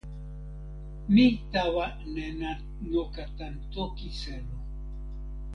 mi tawa nena noka tan toki selo.